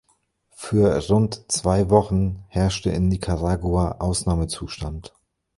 Für rund zwei Wochen herrschte in Nicaragua Ausnahmezustand.